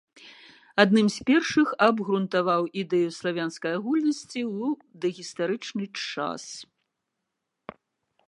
Адным з першых абгрунтаваў ідэю славянскай агульнасці ў дагістарычны час.